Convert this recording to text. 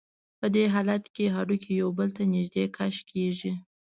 په دې حالت کې هډوکي یو بل ته نږدې کش کېږي.